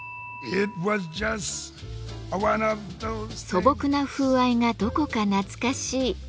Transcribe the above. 素朴な風合いがどこか懐かしい。